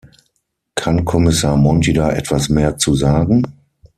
Kann Kommissar Monti da etwas mehr zu sagen?